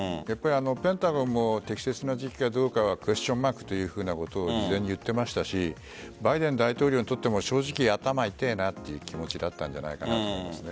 ペンタゴンも適切な時期かどうかクエスチョンマークということを事前に言っていましたしバイデン大統領にとっても正直、頭が痛いなあという気持ちだったんじゃないかなと思います。